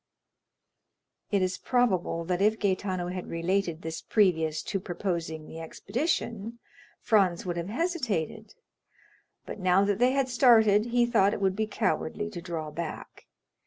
It is probable that if Gaetano had related this previous to proposing the expedition, Franz would have hesitated, but now that they had started, he thought it would be cowardly to draw back.